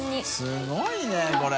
すごいねこれ。